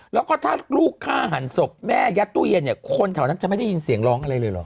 แล้วก็ถ้าลูกฆ่าหันศพแม่ยัดตู้เย็นเนี่ยคนแถวนั้นจะไม่ได้ยินเสียงร้องอะไรเลยเหรอ